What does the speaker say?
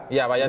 iya pak yandri